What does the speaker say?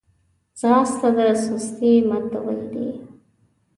ځغاسته د سستۍ ماتول دي